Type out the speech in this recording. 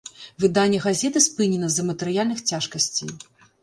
Выданне газеты спынена з-за матэрыяльных цяжкасцей.